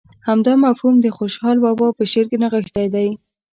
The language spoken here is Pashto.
همدا مفهوم د خوشحال بابا په شعر کې نغښتی دی.